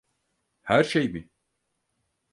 Her şey mi?